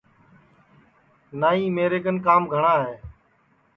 نائی میرے کن کام گھٹؔا ہے